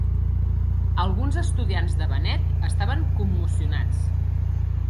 Alguns estudiants de Bennett estaven commocionats.